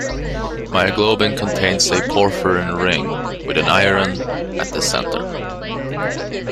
Myoglobin contains a porphyrin ring with an iron at its center.